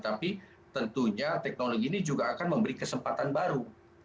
tapi tentunya teknologi ini juga akan memberi kesempatan baru